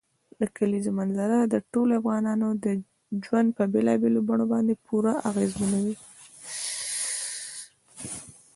د کلیزو منظره د ټولو افغانانو ژوند په بېلابېلو بڼو باندې پوره اغېزمنوي.